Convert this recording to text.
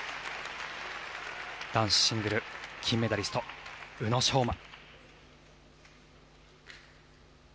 男子シングル金メダリスト宇野昌磨。